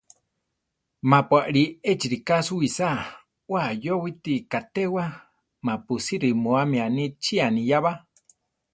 Mapu alí echi rika suwísa, we ayóweti katéwa, mapusí rimúami aní chí aniyába.